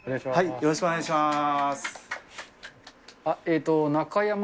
よろしくお願いします。